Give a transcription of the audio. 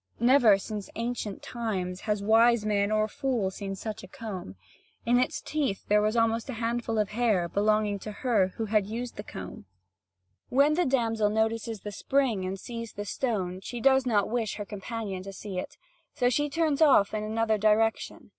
Never since ancient times has wise man or fool seen such a comb. In its teeth there was almost a handful of hair belonging to her who had used the comb. (Vv. 1369 1552.) When the damsel notices the spring, and sees the stone, she does not wish her companion to see it; so she turns off in another direction.